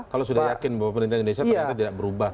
kalau sudah yakin bahwa pemerintah indonesia ternyata tidak berubah